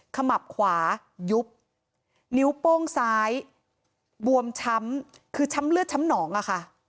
ขมับขวายุบนิ้วโป้งซ้ายบวมช้ำคือช้ำเลือดช้ำหนองอะค่ะ